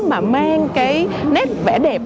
mà mang cái nét vẻ đẹp